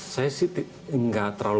saya sih tidak terlalu